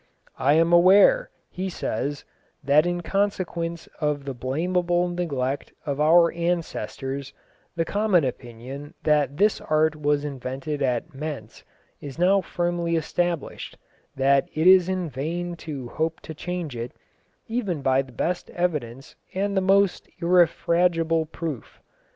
"I am aware," he says, "that in consequence of the blameable neglect of our ancestors, the common opinion that this art was invented at Mentz is now firmly established, that it is in vain to hope to change it, even by the best evidence and the most irrefragable proof."